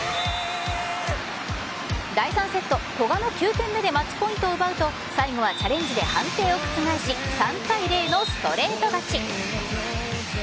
第３セット、古賀の９点目でマッチポイントを奪うと最後はチャレンジで判定を覆し３対０のストレート勝ち。